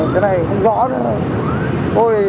cái này không rõ nữa thôi